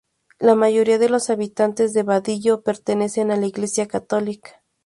La mayoría de los habitantes de Badillo pertenecen a la Iglesia católica.